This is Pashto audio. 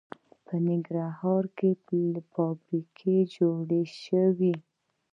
په ننګرهار کې فابریکې جوړې شوي